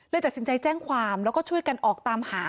ตัดสินใจแจ้งความแล้วก็ช่วยกันออกตามหา